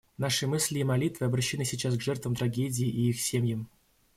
Наши мысли и молитвы обращены сейчас к жертвам трагедии и их семьям.